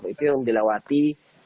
itu yang dilawati